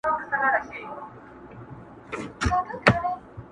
لاس دي بر وي د حاکم پر دښمنانو!